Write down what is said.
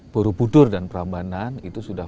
borobudur dan prambanan itu sudah